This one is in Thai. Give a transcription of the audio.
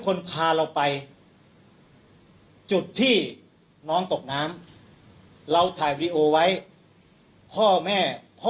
คนพาเราไปจุดที่น้องตกน้ำเราถ่ายวีดีโอไว้พ่อแม่พ่อ